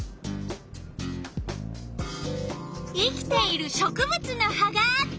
生きている植物の葉があった。